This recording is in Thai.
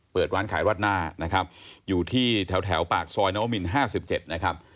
เปิดร้านขายราดหน้านะครับอยู่ที่แถวปากซอยนวมิน๕๗นะครับ